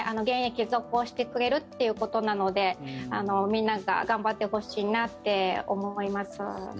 現役続行してくれるということなのでみんなが頑張ってほしいなって思います。